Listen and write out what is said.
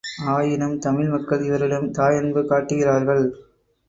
ஆயினும் தமிழ் மக்கள் இவரிடம் தாயன்பு காட்டுகிறார்கள்.